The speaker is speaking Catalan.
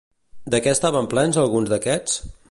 De què estaven plens alguns d'aquests?